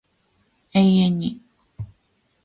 永遠に